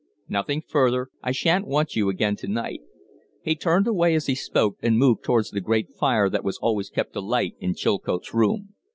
"Nothing further. I sha'n't want you again to night." He turned away as he spoke, and moved towards the great fire that was always kept alight in Chilcote's room.